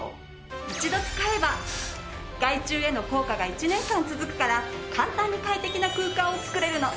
一度使えば害虫への効果が１年間続くから簡単に快適な空間を作れるの。